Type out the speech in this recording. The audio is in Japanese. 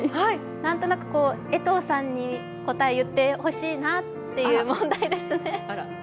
何となく江藤さんに答えを言ってほしいなという答えですね。